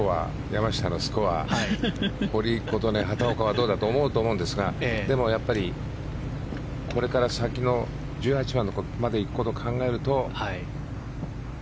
山下のスコア堀琴音、畑岡はどうだと思うかと思うんですがでもこれから先の１８番まで行くことを考えると。